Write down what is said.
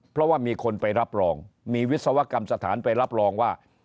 เพราะว่ามีคนไปรับรองมีวิศวกรรมสถานไปรับรองว่า